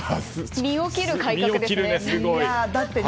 身を切るんですね。